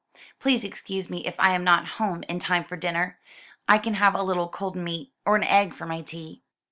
Please excuse me if I am not home in time for dinner. I can have a little cold meat, or an egg, for my tea."